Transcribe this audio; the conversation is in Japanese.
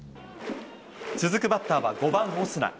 続くバッターは５番オスナ。